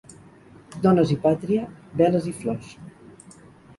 Dones i pàtria, veles i flors.